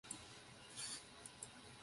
金宝汤公司出品的一种罐头装的浓汤。